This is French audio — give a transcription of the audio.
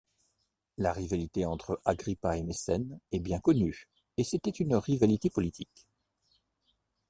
La rivalité entre Agrippa et Mécène est bien connue, et c’était une rivalité politique.